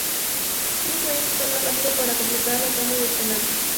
Dean Cain fue el más rápido para completar la tanda de penaltis.